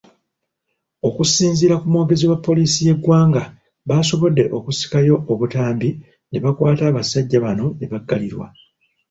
Okusinziira kumwogezi wa poliisi y'eggwanga, baasobodde okusikayo obutambi ne bakwata abasajja bano ne baggalirwa.